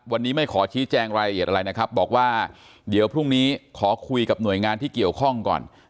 วันนี้ไม่ขอชี้แจงรายละเอียดอะไรนะครับบอกว่าเดี๋ยวพรุ่งนี้ขอคุยกับหน่วยงานที่เกี่ยวข้องก่อน